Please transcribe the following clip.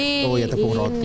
oh ya tepung roti